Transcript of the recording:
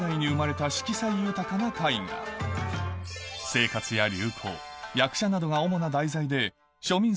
生活や流行役者などが主な題材ででしょうね。